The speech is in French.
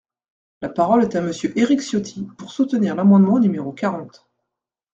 La parole est à Monsieur Éric Ciotti, pour soutenir l’amendement numéro quarante.